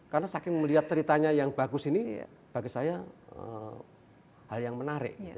karena saking melihat ceritanya yang bagus ini bagi saya hal yang menarik